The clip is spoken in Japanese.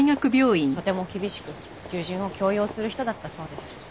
とても厳しく従順を強要する人だったそうです。